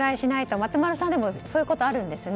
松丸さんでもそういうことあるんですね。